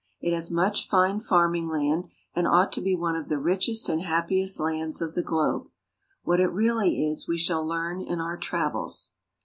It has much fine farming land, and ought to be one of the richest and happiest lands of the globe. What it really is we shall learn in our travels.